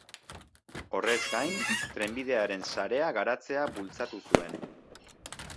Horrez gain, trenbidearen sarea garatzea bultzatu zuen.